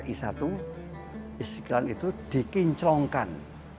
pesan dari ri satu istiqlal itu dikinclongkan